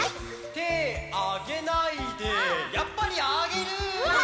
てあげないでやっぱりあげる！わ！